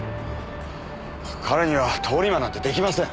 彼には通り魔なんて出来ません。